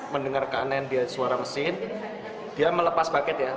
mendengar keanehan dia suara mesin dia melepas bucket ya